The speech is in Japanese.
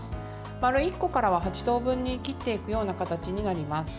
丸１個からは８等分に切っていくような形になります。